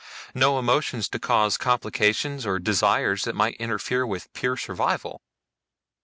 No emotions to cause complications or desires that might interfere with pure survival.